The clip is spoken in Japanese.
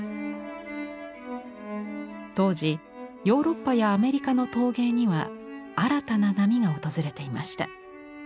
当時ヨーロッパやアメリカの陶芸には新たな波が訪れていました。